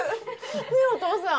ねえお父さん。